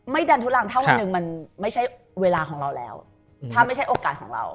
ดันทุลังถ้าวันหนึ่งมันไม่ใช่เวลาของเราแล้วถ้าไม่ใช่โอกาสของเรา